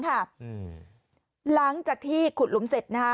หลังจากที่ขุดหลุมเสร็จ